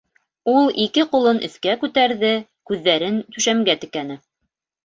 - Ул ике ҡулын өҫкә күтәрҙе, күҙҙәрен түшәмгә текәне.